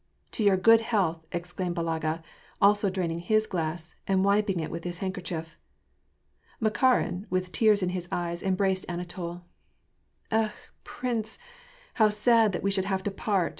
To your good health !" exclamed Balaga, also draining his glass and wiping it with his handkerchief. Makarin, with tears in his eyes, embraced Anatol. *' Ekh ! prince, how sad that we should have to part